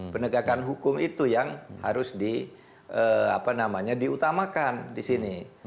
penegakan hukum itu yang harus diutamakan di sini